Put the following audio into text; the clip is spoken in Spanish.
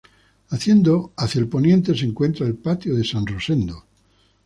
Hacia el poniente se encuentra el Patio de San Rosendo.